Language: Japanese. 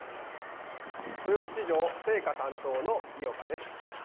豊洲市場青果担当の井岡です。